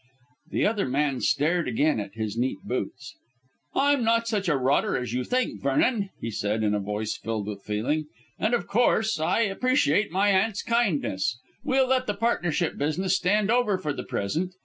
The other man stared again at his neat boots. "I'm not such a rotter as you think, Vernon," he said, in a voice filled with feeling; "and, of course, I appreciate my aunt's kindness. We'll let the partnership business stand over for the present.